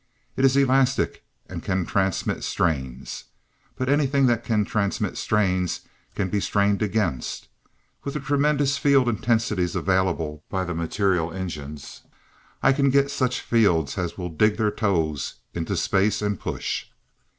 It is elastic, and can transmit strains. But anything that can transmit strains, can be strained against. With the tremendous field intensities available by the material engines, I can get such fields as will 'dig their toes' into space and push.